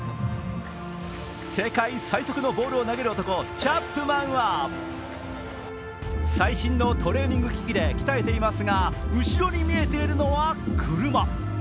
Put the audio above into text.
世界最速のボールを投げる男チャップマンは最新のトレーニング機器で鍛えていますが、後ろに見えているのは車。